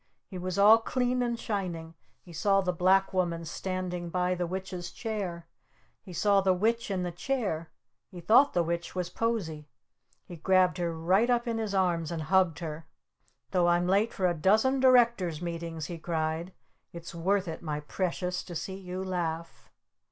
He was all clean and shining! He saw the Black Woman standing by the Witch's chair! He saw the Witch in the chair! He thought the Witch was Posie! He grabbed her right up in his arms and hugged her! "Though I'm late for a dozen Directors' Meetings," he cried, "it's worth it, my Precious, to see you laugh!"